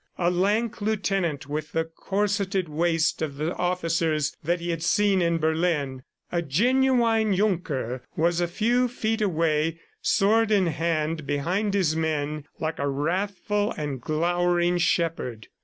A lank lieutenant with the corseted waist of the officers that he had seen in Berlin, a genuine Junker, was a few feet away, sword in hand behind his men, like a wrathful and glowering shepherd.